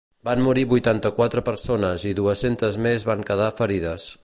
Van morir vuitanta-quatre persones i dues-centes més van quedar ferides.